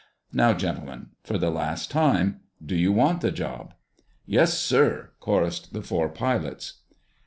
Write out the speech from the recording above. Now, gentlemen, for the last time, do you want the job?" "Yes, sir!" chorused the four pilots.